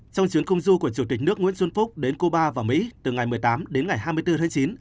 trong chuyến công du của chủ tịch nước nguyễn xuân phúc đến cuba và mỹ từ ngày một mươi tám đến ngày hai mươi bốn tháng chín